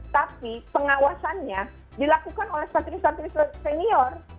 tapi pengawasannya dilakukan oleh santri santri senior